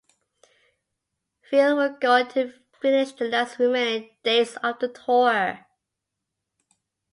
Phil would go on to finish the last remaining dates of the tour.